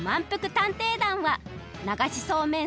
探偵団はながしそうめん